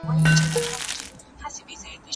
هم يې وچیچل اوزگړي او پسونه